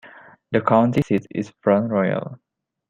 The county seat is Front Royal.